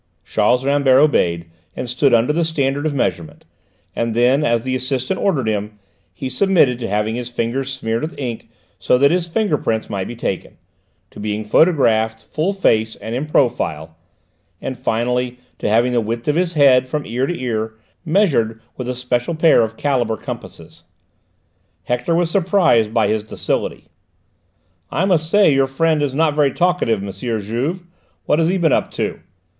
Charles Rambert obeyed and stood under the standard of measurement, and then, as the assistant ordered him, he submitted to having his fingers smeared with ink so that his finger prints might be taken, to being photographed, full face and in profile, and finally to having the width of his head, from ear to ear, measured with a special pair of caliper compasses. Hector was surprised by his docility. "I must say your friend is not very talkative, M. Juve. What has he been up to?"